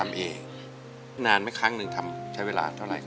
ทำเองนานไหมครั้งหนึ่งทำใช้เวลาเท่าไหร่ค่ะ